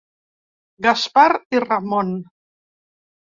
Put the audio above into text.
Gaspar i Ramon.